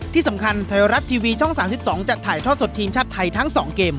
ที่สำคัญไทยรัฐทีวีช่อง๓๒จะถ่ายท่อสดทีมชาติไทยทั้ง๒เกม